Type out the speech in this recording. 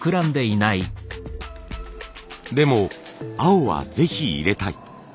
でも青はぜひ入れたい。